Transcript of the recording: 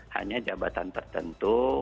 hanya jabatan tertentu